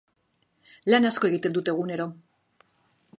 Lan asko egiten dut egunero.